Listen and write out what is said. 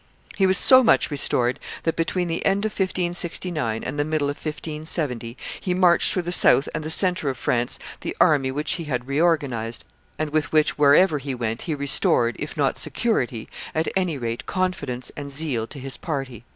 He was so much restored, that, between the end of 1569 and the middle of 1570, he marched through the south and the centre of France the army which he had reorganized, and with which, wherever he went, he restored, if not security, at any rate confidence and zeal, to his party.